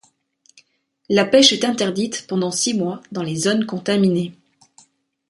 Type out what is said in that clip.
La pêche est interdite pendant six mois dans les zones contaminées.